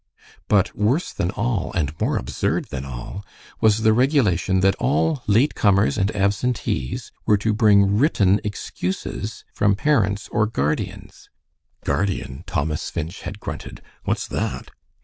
But worse than all, and more absurd than all, was the regulation that all late comers and absentees were to bring written excuses from parents or guardians. "Guardian," Thomas Finch had grunted, "what's that?"